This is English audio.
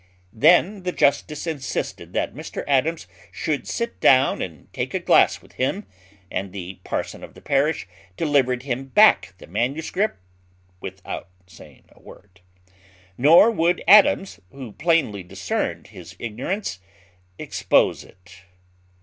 Then the justice insisted that Mr Adams should sit down and take a glass with him; and the parson of the parish delivered him back the manuscript without saying a word; nor would Adams, who plainly discerned his ignorance, expose it.